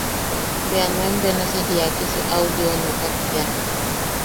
Bea nuen benasi jaikisi au lionokak tea.